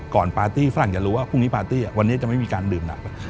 ก่อนปาร์ตี้ฝรั่งจะรู้ว่าวันนี้ปาร์ตี้จะไม่มีการดื่มนัก